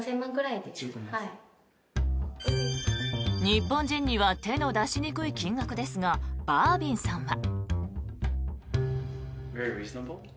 日本人には手の出しにくい金額ですがバービンさんは。